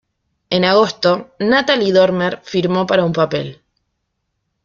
En agosto, Natalie Dormer firmó para un papel.